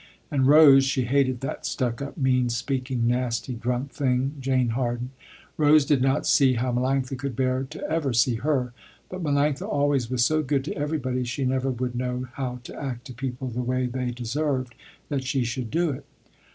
And Rose, she hated that stuck up, mean speaking, nasty, drunk thing, Jane Harden. Rose did not see how Melanctha could bear to ever see her, but Melanctha always was so good to everybody, she never would know how to act to people the way they deserved that she should do it.